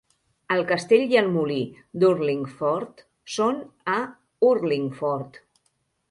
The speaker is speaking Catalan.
El castell i el molí d'Urlingford són a Urlingford.